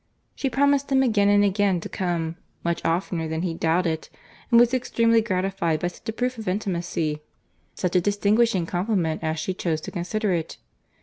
She promised him again and again to come—much oftener than he doubted—and was extremely gratified by such a proof of intimacy, such a distinguishing compliment as she chose to consider it.